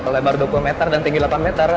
lebar dua puluh meter dan tinggi delapan meter